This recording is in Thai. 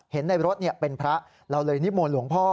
เห็นในรถเป็นพระเราเลยนิมนต์หลวงพ่อ